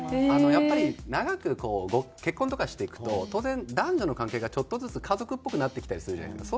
やっぱり長くこう結婚とかしていくと当然男女の関係がちょっとずつ家族っぽくなってきたりするじゃないですか。